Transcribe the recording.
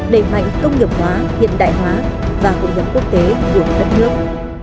đẩy mạnh công nghiệp hóa hiện đại hóa và cộng hợp quốc tế của các nước